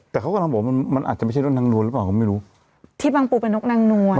แต่เขากำลังบอกว่ามันมันอาจจะไม่ใช่นกนางนวลหรือเปล่าก็ไม่รู้ที่บางปูเป็นนกนางนวล